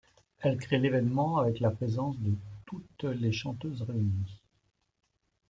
Elle crée l’événement avec la présence de toutes les chanteuses réunies.